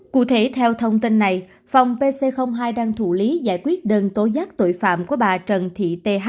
cụ thể theo thông tin này phòng pc hai đang thủ lý giải quyết đơn tố giác tội phạm của bà trần thị th